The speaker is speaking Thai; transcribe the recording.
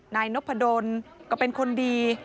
นายนพดลก็เป็นคนดี